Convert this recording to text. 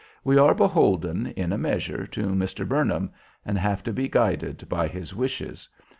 We are beholden, in a measure, to Mr. Burnham, and have to be guided by his wishes.